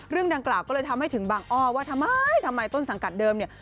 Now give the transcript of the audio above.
เรื่องดังกล่าวก็เลยทำให้ถึงบางอ้อว่าทำไมทำไมต้นสังกัดเดิมเนี่ย